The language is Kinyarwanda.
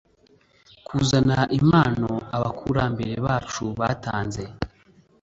Kuzana impano abakurambere bacu batanze